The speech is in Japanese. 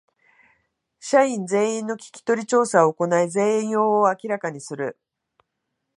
社員全員の聞き取り調査を行い全容を明らかにする